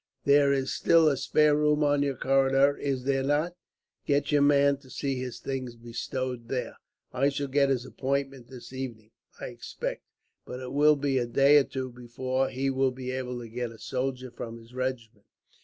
There is still a spare room on your corridor, is there not? Get your man to see his things bestowed there. I shall get his appointment this evening, I expect, but it will be a day or two before he will be able to get a soldier from his regiment.